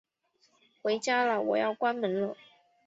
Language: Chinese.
回家啦，我要关门了